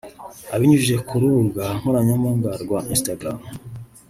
Abinyujije ku rubuga nkoranyambaga rwa Instagram